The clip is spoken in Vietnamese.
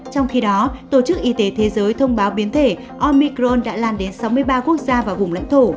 trong khi đó tổ chức y tế thế giới thông báo biến thể omicron đã lan đến sáu mươi ba quốc gia và vùng lãnh thổ